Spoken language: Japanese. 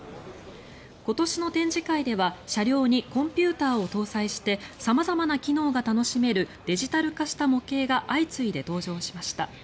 今年の展示会では車両にコンピューターを搭載して様々な機能が楽しめるデジタル化した模型が相次いで登場しました。